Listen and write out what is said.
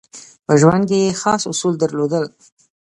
په ژوند کې یې خاص اصول درلودل.